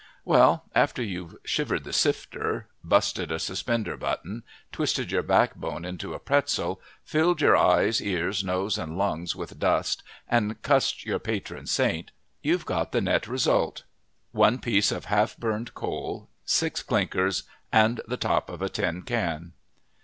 Well, after you've shivered the sifter, busted a suspender button, twisted your backbone into a pretzel, filled your eyes, ears, nose, and lungs with dust and cussed your patron saint, you've got the net result: One piece of half burned coal, six clinkers, and the top of a tin can.